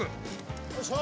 よいしょ！